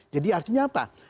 jadi artinya apa